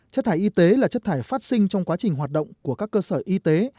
chất thải y tế là chất thải phát sinh trong quá trình hoạt động của các cơ sở y tế